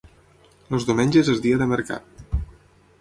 Els diumenges és dia de mercat.